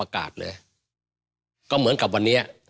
ก็เหมือนกับวันเนี้ย